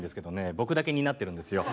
僕だけ担ってるんですよ。